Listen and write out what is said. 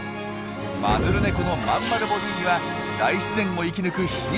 マヌルネコのまんまるボディーには大自然を生き抜く秘密が詰まっていたんです！